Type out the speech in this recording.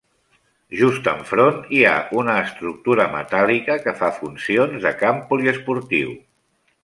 Just enfront hi ha una estructura metàl·lica que fa funcions de camp poliesportiu.